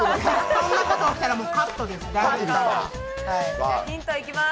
そんなことをしたらもうカットです。